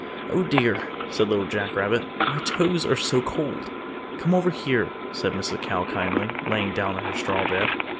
"Oh, dear," said Little Jack Rabbit, "my toes are so cold." "Come over here," said Mrs. Cow kindly, lying down on her straw bed.